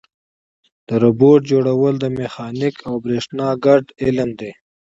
د روبوټ جوړول د میخانیک او برېښنا ګډ علم دی.